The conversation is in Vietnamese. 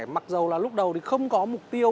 mặc dù lúc đầu không có mục tiêu